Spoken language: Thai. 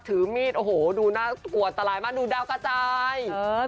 ไม่มีใครรู้ว่ายุเป็นใคร